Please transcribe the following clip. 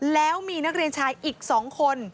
แล้วมีนักเรียนชายอีก๒คน